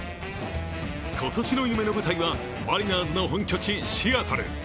今年の夢の舞台はマリナーズの本拠地・シアトル。